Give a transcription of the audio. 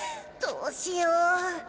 どうしよう。